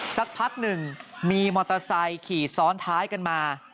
สักพักหนึ่งมีมอเตอร์ไซค์ขี่ซ้อนท้ายกันมา